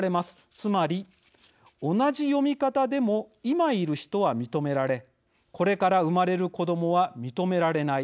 つまり同じ読み方でも今いる人は認められこれから生まれる子どもは認められない。